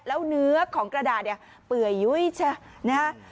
เหนือของกระดาษเนี่ยเปื่อยยุ้ยชะนะครับ